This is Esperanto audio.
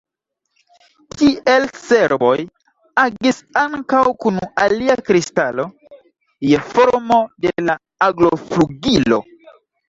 Tiel serboj agis ankaŭ kun alia kristalo, je formo de la agloflugilo.